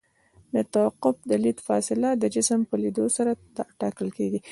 د توقف د لید فاصله د جسم په لیدلو سره ټاکل کیږي